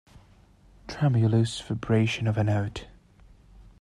Tremulous vibration of a note.